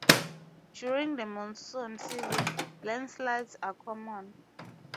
During the monsoon season, landslides are common.